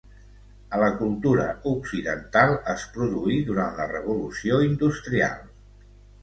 A la cultura occidental es produí durant la Revolució Industrial.